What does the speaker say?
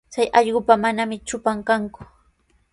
Chay allqupa manami trupan kanku.